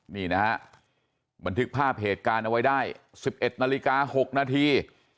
นี่นะฮะบันทึกภาพเหตุการณ์เอาไว้ได้๑๑นาฬิกา๖นาที